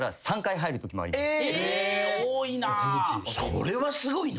それはすごいな。